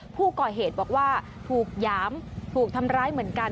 ผู้ก่อเหตุบอกว่าถูกหยามถูกทำร้ายเหมือนกัน